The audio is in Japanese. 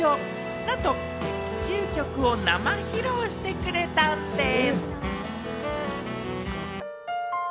なんと劇中曲を生披露してくれたんでぃす！